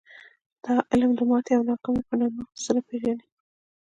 دا علم د ماتې او ناکامۍ په نامه څه نه پېژني